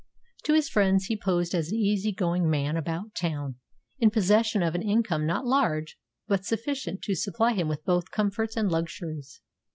To his friends he posed as an easy going man about town, in possession of an income not large, but sufficient to supply him with both comforts and luxuries.